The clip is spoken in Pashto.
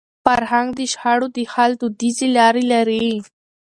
فرهنګ د شخړو د حل دودیزي لارې لري.